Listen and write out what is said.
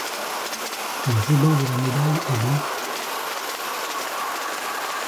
Le ruban de la médaille est blanc.